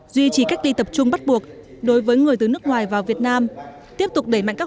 duy trì cách ly tập trung bắt buộc đối với người từ nước ngoài vào việt nam tiếp tục đẩy mạnh các